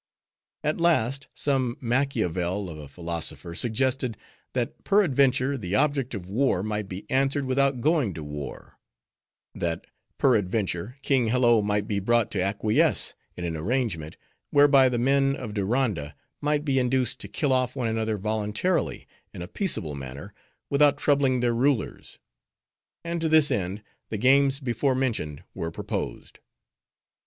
At last some Machiavel of a philosopher suggested, that peradventure the object of war might be answered without going to war; that peradventure King Hello might be brought to acquiesce in an arrangement, whereby the men of Diranda might be induced to kill off one another voluntarily, in a peaceable manner, without troubling their rulers. And to this end, the games before mentioned were proposed.